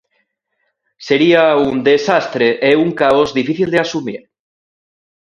Sería un desastre e un caos difícil de asumir.